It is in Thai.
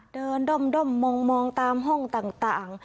ด้อมมองตามห้องต่าง